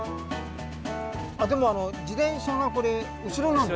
あっでも自転車がこれ後ろなんですね？